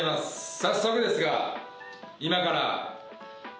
早速ですが今から。